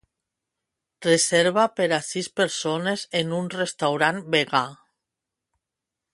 Reserva per a sis persones en un restaurant vegà.